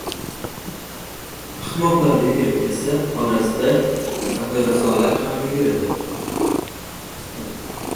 • Ahmoqlar yugurib ketsa, orqasida aqli rasolar ham yuguradi.